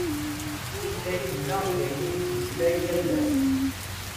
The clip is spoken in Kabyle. Tutlayt-nneɣ d ayen i nettmeslay yal ass.